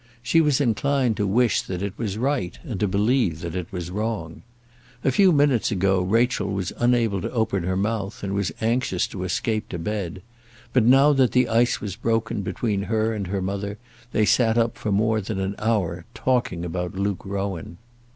She was inclined to wish that it was right and to believe that it was wrong. A few minutes ago Rachel was unable to open her mouth, and was anxious to escape to bed; but, now that the ice was broken between her and her mother, they sat up for more than an hour talking about Luke Rowan.